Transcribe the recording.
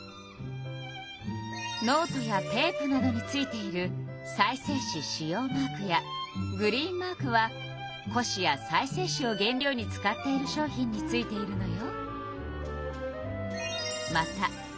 ノートやテープなどについている再生紙使用マークやグリーンマークは古紙や再生紙を原料に使っている商品についているのよ。